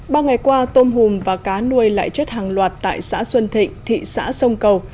ba ngày qua tôm hùm và cá nuôi lại chết hàng loạt tại xã xuân thịnh thị xã sông cầu